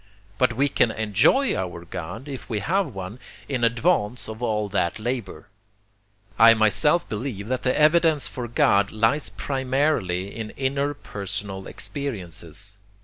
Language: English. But we can ENJOY our God, if we have one, in advance of all that labor. I myself believe that the evidence for God lies primarily in inner personal experiences.